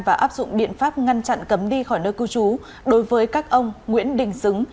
và áp dụng biện pháp ngăn chặn cấm đi khỏi nơi cư trú đối với các ông nguyễn đình dứng